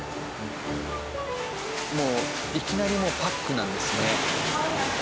もういきなりパックなんですね。